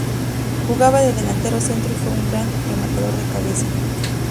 Jugaba de delantero centro y fue un gran rematador de cabeza.